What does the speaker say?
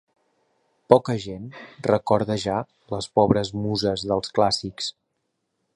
Poca gent recorda ja les pobres muses dels clàssics.